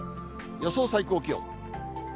予想最高気温。